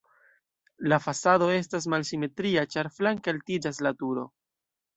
La fasado estas malsimetria, ĉar flanke altiĝas la turo.